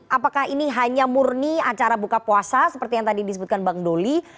apakah ini hanya murni acara buka puasa seperti yang tadi disebutkan bang doli